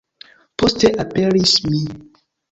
Poste aperis mi.